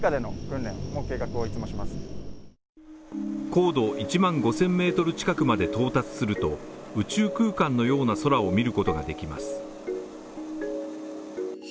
高度１万５０００ｍ近くまで到達すると、宇宙空間のような空を見ることができます。